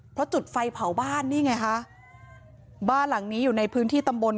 เพราะจุดไฟเผาบ้านนี่ไงคะบ้านหลังนี้อยู่ในพื้นที่ตำบล